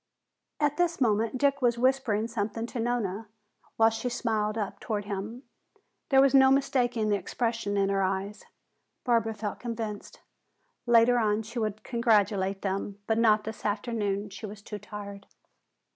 At this moment Dick was whispering something to Nona, while she smiled up toward him. There was no mistaking the expression in her eyes, Barbara felt convinced. Later on she would congratulate them, but not this afternoon; she was too tired.